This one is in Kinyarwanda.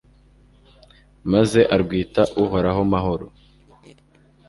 maze arwita uhoraho mahoro